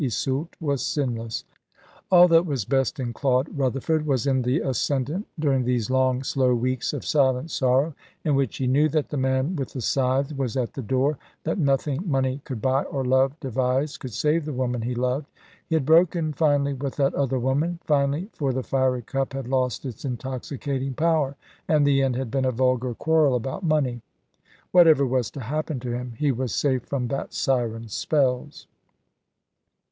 Iseult was sinless. All that was best in Claude Rutherford was in the ascendant during these long, slow weeks of silent sorrow, in which he knew that the man with the scythe was at the door, that nothing money could buy or love devise could save the woman he loved. He had broken finally with that other woman: finally, for the fiery cup had lost its intoxicating power, and the end had been a vulgar quarrel about money. Whatever was to happen to him, he was safe from that siren's spells.